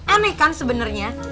aneh kan sebenernya